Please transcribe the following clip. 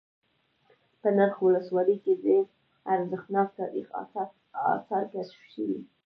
په نرخ ولسوالۍ كې ډېر ارزښتناك تاريخ آثار كشف شوي